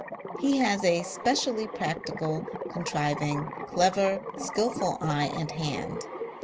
He has a I specially practical, contriving, clever, skilful i eye and hand.